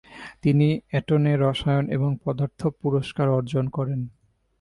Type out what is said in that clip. তিনি এটনে রসায়ন এবং পদার্থ পুরস্কার অর্জন করেন।